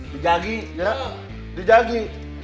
dijagi ya dijagi